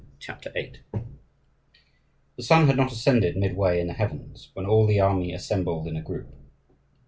CHAPTER VIII The sun had not ascended midway in the heavens when all the army assembled in a group.